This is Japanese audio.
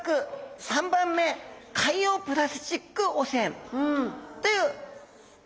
３番目「海洋プラスチック汚染」という３つです。